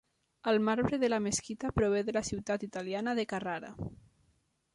El marbre de la mesquita prové de la ciutat italiana de Carrara.